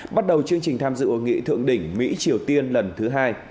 bắt đầu chương trình tham dự hội nghị thượng đỉnh mỹ triều tiên lần thứ hai